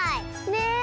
ねえ！